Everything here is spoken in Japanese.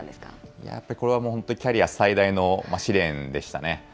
やっぱりこれはもう、本当にキャリア最大の試練でしたね。